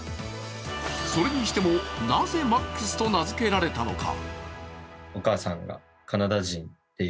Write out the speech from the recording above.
それにしても、なぜマックスと名付けられたのか。